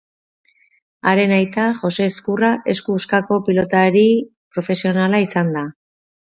Haren aita, Jose Ezkurra, esku huskako pilotari profesionala izana da.